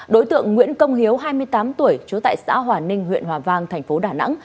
đối tượng nguyễn công hiếu hai mươi tám tuổi trú tại xã hòa ninh huyện hòa vang thành phố đà nẵng